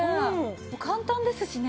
もう簡単ですしね。